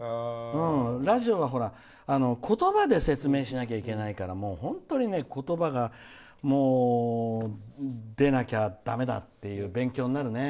ラジオは言葉で説明しないといけないから本当に言葉が出なきゃだめだっていう勉強になるね。